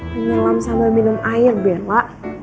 menyelam sambil minum air bella